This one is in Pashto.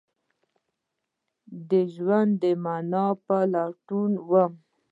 د ژوند د معنی په لټون وم